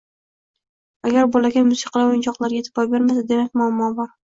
Agar bolakay musiqali o‘yinchoqlarga e’tibor bermasa demak muammo bor.